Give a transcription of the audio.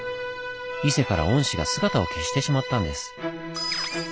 伊勢から御師が姿を消してしまったんです。